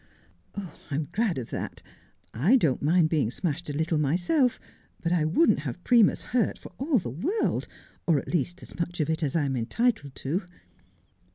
' I'm glad of that. I don't mind being smashed a little myself, but I wouldn't have Primus hurt for all the world, or at least as much of it as I'm entitled to.'